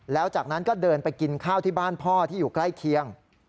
แล้วจากนั้นก็เดินไปกินข้าวที่บ้านพ่อที่อยู่ใกล้เคียง